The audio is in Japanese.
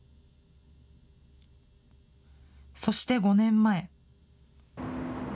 そして５年前。